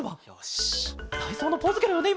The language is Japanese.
たいそうのポーズケロよね？